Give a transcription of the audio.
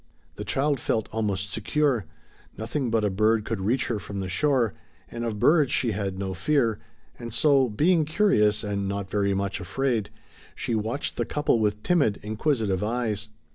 The child felt almost secure; nothing but a bird could reach her from the shore and of birds she had no fear, and so, being curious and not very much afraid, she watched the couple with timid, inquisitive eyes.